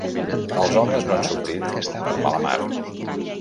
Els homes no han sortit per mala mar.